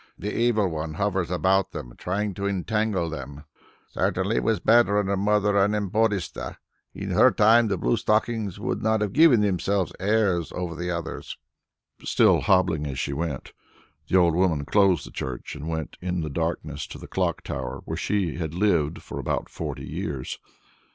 The Evil One hovers about them trying to entangle them. Certainly it was better under Mother Anempodista; in her time the blue stockings would not have given themselves airs over the others." Still hobbling as she went, the old woman closed the church and went in the darkness to the clock tower where she had lived for about forty years.